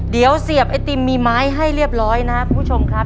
เดี๋ยวเสียบไอติมมีไม้ให้เรียบร้อยนะครับคุณผู้ชมครับ